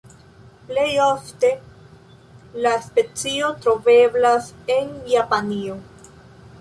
Plej ofte la specio troveblas en Japanio.